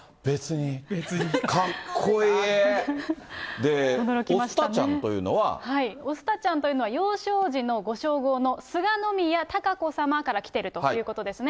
で、おスタちゃんというのは、幼少時のご称号の、清宮貴子さまから来てるということですね。